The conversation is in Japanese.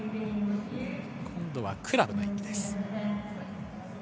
今度はクラブの演技です。